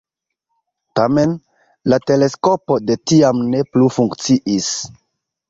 Tamen, la teleskopo de tiam ne plu funkciis.